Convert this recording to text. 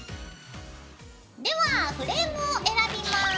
ではフレームを選びます。